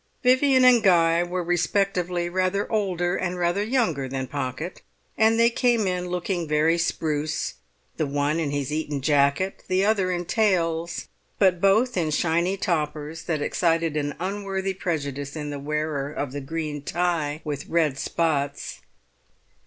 Vivian and Guy were respectively rather older and rather younger than Pocket, and they came in looking very spruce, the one in his Eton jacket, the other in tails, but both in shiny toppers that excited an unworthy prejudice in the wearer of the green tie with red spots.